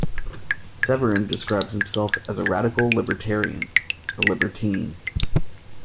Severin describes himself as a radical libertarian, a libertine.